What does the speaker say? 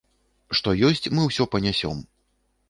Што ёсць, мы ўсё панясём.